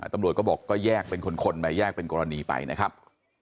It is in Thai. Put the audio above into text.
ตำรวจก็บอกก็แยกเป็นคนมาแยกเป็นกรณีไปนะครับ